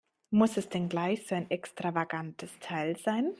Muss es denn gleich so ein extravagantes Teil sein?